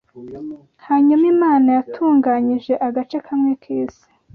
Hanyuma Imana yatunganyije agace kamwe k’isi